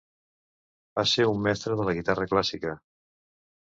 Va ser un mestre de la guitarra clàssica.